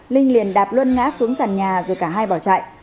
linh liền đạp luân ngã xuống sàn nhà rồi cả hai bỏ chạy